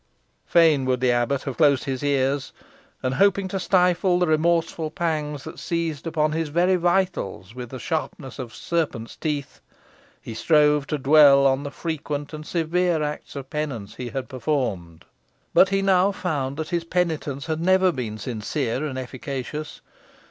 Fain would the abbot have closed his ears, and, hoping to stifle the remorseful pangs that seized upon his very vitals with the sharpness of serpents' teeth, he strove to dwell upon the frequent and severe acts of penance he had performed. But he now found that his penitence had never been sincere and efficacious.